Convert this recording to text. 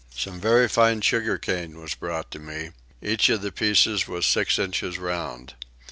Some very fine sugarcane was brought to me; each of the pieces was six inches round.